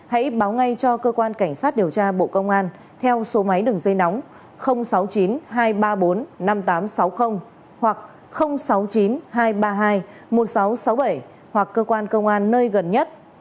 hãy báo ngay cho cơ quan cảnh sát điều tra bộ công an theo số máy đường dây nóng sáu mươi chín hai trăm ba mươi bốn năm nghìn tám trăm sáu mươi hoặc sáu mươi chín hai trăm ba mươi hai một nghìn sáu trăm sáu mươi bảy hoặc cơ quan công an nơi gần nhất